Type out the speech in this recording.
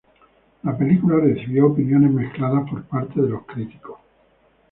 La película recibió opiniones mezcladas por parte de los críticos.